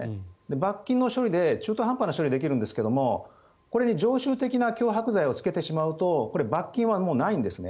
罰金の処理で中途半端な処理ができるんですがこれに常習的な脅迫罪をつけてしまうとこれ、罰金はもうないんですね。